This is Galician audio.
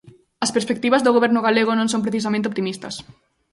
As perspectivas do Goberno galego non son precisamente optimistas.